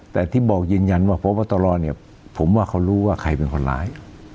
แต่ที่บอกยืนยันว่าพบตรเนี่ยผมว่าเขารู้ว่าใครเป็นคนร้าย